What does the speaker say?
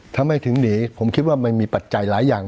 ทำไมถึงหนีผมคิดว่ามันมีปัจจัยหลายอย่าง